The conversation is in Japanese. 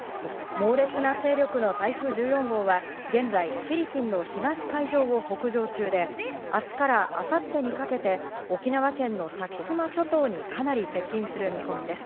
猛烈な勢力の台風１４号は現在、フィリピンの東の海上を北上中で明日から明後日にかけて沖縄県の先島諸島にかなり接近する見込みです。